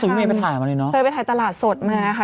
คือพี่เมย์ไปถ่ายอะไรเนอะไปถ่ายตลาดสดมาค่ะ